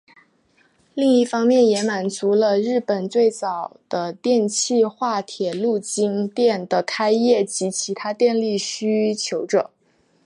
另一方面也满足了日本最早的电气化铁路京电的开业及其他电力需求者。